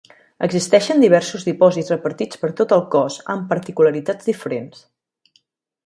Existeixen diversos dipòsits repartits per tot el cos amb particularitats diferents.